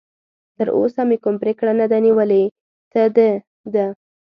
تراوسه مې کوم پرېکړه نه ده نیولې، ته د ده.